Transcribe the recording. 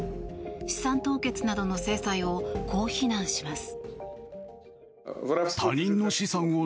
資産凍結などの制裁をこう非難します。